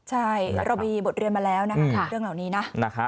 ใช่เรามีบทเรียนมาแล้วนะคะเรื่องเหล่านี้นะ